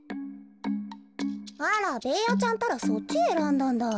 あらベーヤちゃんったらそっちえらんだんだ。